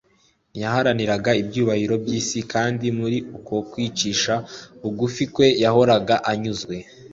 ntiyaharaniraga ibyubahiro by'isi, kandi muri uko kwicisha bugufi kwe, yahoraga anyuzwe.